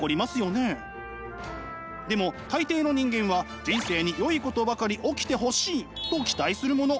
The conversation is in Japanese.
でも大抵の人間は人生によいことばかり起きてほしいと期待するもの。